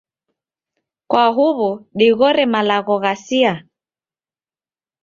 kwa huw'o dighore malagho ghasia?